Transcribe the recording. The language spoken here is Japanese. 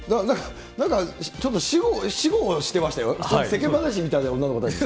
なんかちょっと私語してましたよ、世間話みたいの女の子たち。